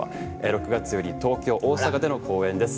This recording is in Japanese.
６月より東京大阪での公演です。